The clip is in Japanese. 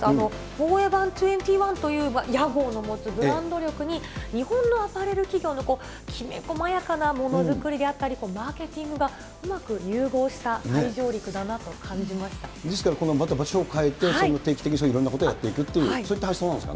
フォーエバー２１というと、屋号の持つブランド力に日本のアパレル企業のきめ細やかなものづくりであったり、マーケティングがうまく融合した再上陸だなと感ですから、また場所を変えて、その定期的にいろんなことをやっていく、そういった発想なんです